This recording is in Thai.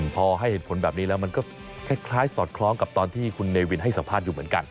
พอให้เหตุผลแบบนี้แล้วมันก็คล้ายสอดคล้องกับตอนที่คุณเนวินให้สัมภาษณ์อยู่เหมือนกัน